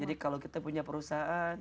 jadi kalau kita punya perusahaan